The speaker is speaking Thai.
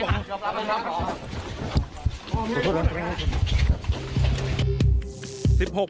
ขอบคุณครับ